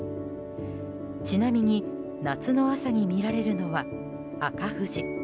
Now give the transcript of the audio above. ちなみに、夏の朝に見られるのは赤富士。